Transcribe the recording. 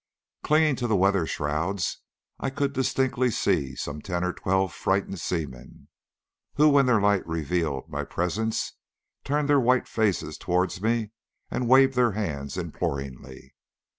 Clinging to the weather shrouds I could distinctly see some ten or twelve frightened seamen, who, when their light revealed my presence, turned their white faces towards me and waved their hands imploringly.